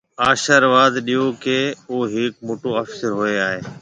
آشرواڌ ڏيو ڪيَ او هيڪ موٽو آفِيسر هوئي آئي۔